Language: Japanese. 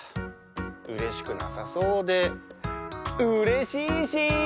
うれしくなさそうでうれしいし！